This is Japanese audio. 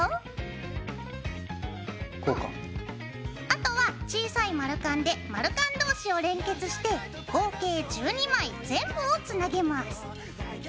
あとは小さい丸カンで丸カン同士を連結して合計１２枚全部をつなげます。